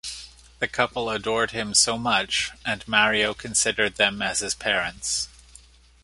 The couple adored him so much and Mario considered them as his parents.